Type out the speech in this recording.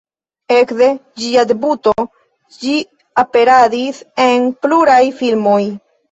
Ekde ĝia debuto ĝi aperadis en pluraj filmoj.